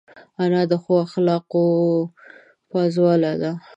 انا د ښو اخلاقو پازواله ده